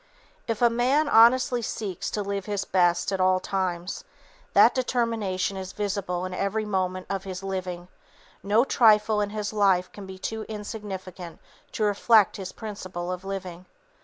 If a man honestly seeks to live his best at all times, that determination is visible in every moment of his living, no trifle in his life can be too insignificant to reflect his principle of living.